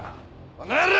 この野郎！